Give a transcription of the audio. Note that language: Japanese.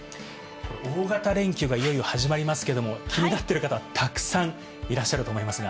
大型連休がいよいよ始まりますけど、気になってる方、沢山いらっしゃると思いますが。